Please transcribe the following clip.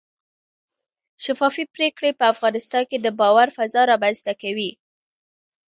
شفافې پرېکړې په افغانستان کې د باور فضا رامنځته کوي